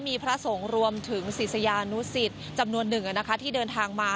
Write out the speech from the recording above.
มีพระสงฆ์รวมถึงศิษยานุสิตจำนวนหนึ่งที่เดินทางมา